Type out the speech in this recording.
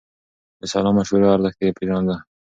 د سلا مشورو ارزښت يې پېژانده.